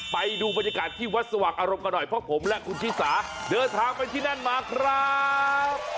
ไปดูบรรยากาศที่วัดสว่างอารมณ์กันหน่อยเพราะผมและคุณชิสาเดินทางไปที่นั่นมาครับ